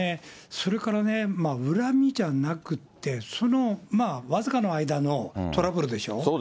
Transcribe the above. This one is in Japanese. それからね、恨みじゃなくって、そのわずかの間のトラブルでしょう。